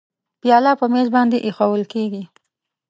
پیاله په میز باندې اېښوول کېږي.